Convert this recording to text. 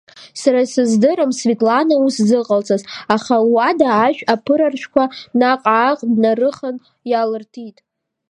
Сара исыздырам Светлана ус зыҟалҵаз, аха луада ашә аԥыраршәқәа наҟ-ааҟ днарыхан иаалыртит.